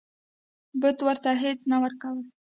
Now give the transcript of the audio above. بت ورته هیڅ نه ورکول.